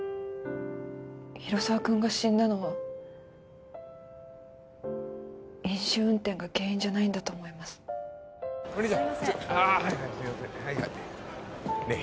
広沢君が死んだのは飲酒運転が原因じゃないんだと思いますお兄ちゃんすいませんねえ